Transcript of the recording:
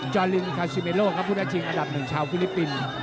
จอลินคาชิเมโลพุทธชิงอันดับหนึ่งชาวฟิลิปปินส์